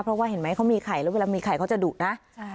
เพราะว่าเห็นไหมเขามีไข่แล้วเวลามีไข่เขาจะดุนะ